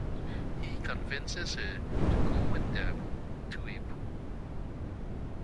He convinces her to go with them to a pool.